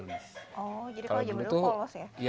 oh jadi kalau zaman dulu polos ya